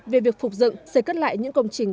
về việc phục dựng xây cất lại những công trình